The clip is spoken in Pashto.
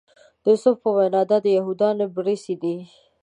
د یوسف په وینا دا د یهودانو بړیڅي دي.